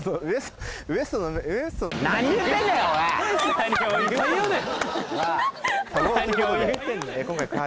何回言うねん！